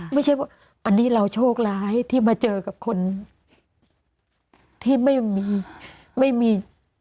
ไม่ใช่ว่าอันนี้เราโชคร้ายที่มาเจอกับคนที่ไม่มีไม่มี